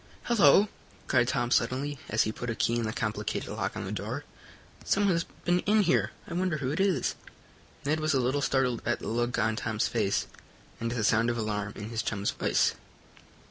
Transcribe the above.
Hello!" cried Tom suddenly, as he put a key in the complicated lock on the door, "someone has been in here. I wonder who it is?" Ned was a little startled at the look on Tom's face and the sound of alarm in his chum's voice.